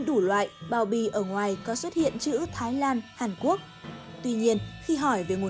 đúng rồi nó chỉ gọi là hàng để bán giỏ quà thôi mà